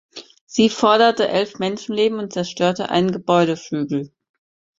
Sie forderte elf Menschenleben und zerstörte einen Gebäudeflügel.